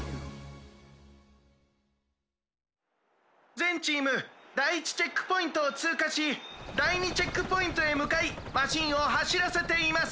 「ぜんチームだい１チェックポイントをつうかしだい２チェックポイントへむかいマシンをはしらせています。